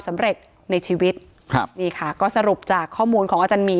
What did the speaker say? สำเร็จในชีวิตครับนี่ค่ะก็สรุปจากข้อมูลของอาจารย์หมี